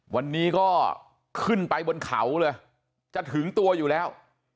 วันนี้ก็ขึ้นไปบนเขาเลยจะถึงตัวอยู่แล้ว